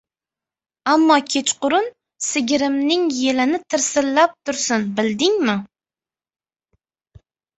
Ammo kechqurun sigirimning yelini tirsillab tursin, bildingmi?